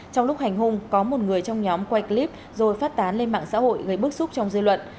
trong lúc hành hung có một người trong nhóm quay clip rồi phát tán lên mạng xã hội gây bức xúc trong dư luận